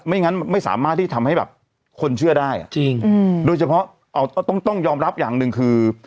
งั้นไม่สามารถที่ทำให้แบบคนเชื่อได้อ่ะจริงโดยเฉพาะต้องต้องยอมรับอย่างหนึ่งคือ